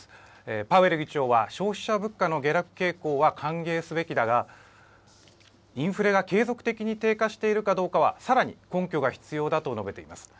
パウエル議長は、消費者物価の下落傾向は歓迎すべきだが、インフレが継続的に低下しているかどうかは、さらに根拠が必要だと述べています。